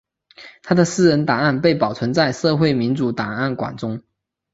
他的私人档案被保存在社会民主档案馆中。